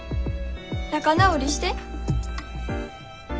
仲直りして。